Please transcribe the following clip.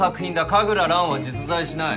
神楽蘭は実在しない。